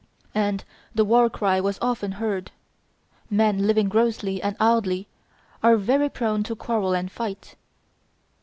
And the war cry was often heard: men living grossly and idly are very prone to quarrel and fight.